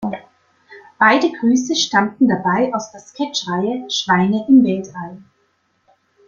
Beide Grüße stammten dabei aus der Sketch-Reihe „Schweine im Weltall“.